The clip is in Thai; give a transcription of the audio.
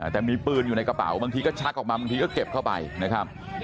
แต่มีปืนอยู่ในกระเป๋าบางทีก็ชักออกมาบางทีก็เก็บเข้าไปนะครับ